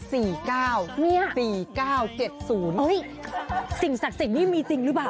สิ่งศักดิ์ศิษย์นี้มีจริงหรือเปล่า